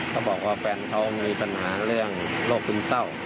เขาบอกว่าแฟนเขามีปัญหาเรื่องโรคซึมเศร้า